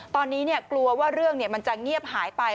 ตอนนี้กลัวว่าเรื่องมันจะเงียบหายไป